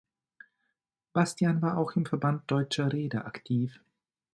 Bastian war auch im Verband Deutscher Reeder aktiv.